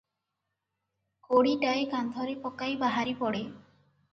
କୋଡ଼ିଟାଏ କାନ୍ଧରେ ପକାଇ ବାହାରି ପଡ଼େ ।